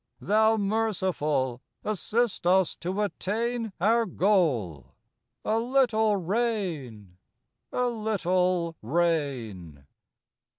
Thou Merciful, assist us to attain Our goal,—a little rain, a little rain!